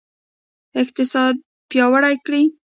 اقتصاد پیاوړی کړئ